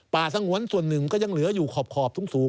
สงวนส่วนหนึ่งก็ยังเหลืออยู่ขอบสูง